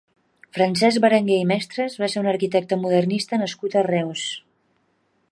Francesc Berenguer i Mestres va ser un arquitecte modernista nascut a Reus.